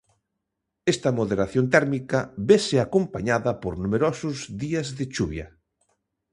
Esta moderación térmica vese acompañada por numerosos días de chuvia.